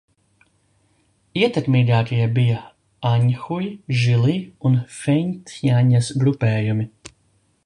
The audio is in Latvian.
Ietekmīgākie bija Aņhui, Žili un Feņtjaņas grupējumi.